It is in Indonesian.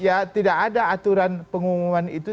ya tidak ada aturan pengumuman itu